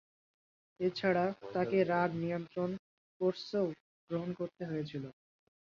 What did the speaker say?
এছাড়া, তাকে রাগ নিয়ন্ত্রণ কোর্সও গ্রহণ করতে হয়েছিল।